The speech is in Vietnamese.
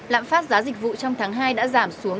lạm phát giá dịch vụ trong tháng hai